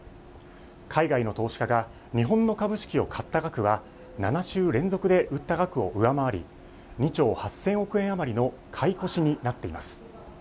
海外の投資家が日本の株式を買った額は７週連続で売った額を上回り２兆８０００億円余りの買い越しになっています。